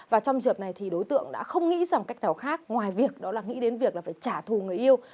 và trong dịp này thì đối tượng đã không nghĩ rằng cách nào khác ngoài việc đó là nghĩ đến việc là phải trả thù người yêu